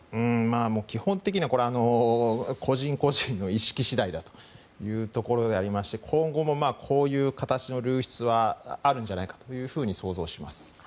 基本的には個人個人の意識次第だというところでありまして今後もこういう形の流出はあるんじゃないかと想像します。